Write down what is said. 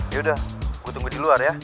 ya udah gue tunggu di luar ya